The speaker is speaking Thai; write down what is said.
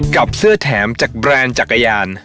กับเสื้อแถมจากแบรนด์จักรยาน